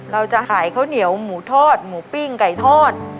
เราจะขายข้าวเหนียวหมูทอดหมูปิ้งไก่ทอด